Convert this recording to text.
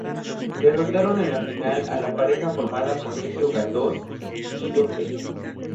Derrotaron en la final a la pareja formada por Sergio Galdós y Guido Pella.